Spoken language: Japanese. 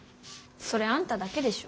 それあんただけでしょ。